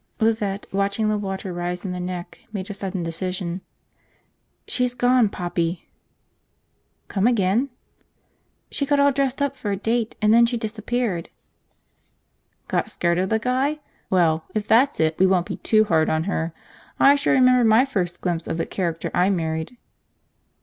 Lizette, watching the water rise in the neck, made a sudden decision. "She's gone, Poppy." "Come again?" "She got all dressed up for a date and then she disappeared." "Got scared of the guy? Well, if that's it we won't be too hard on her. I sure remember my first glimpse of the character I married."